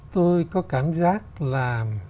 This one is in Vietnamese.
tôi có cảm giác là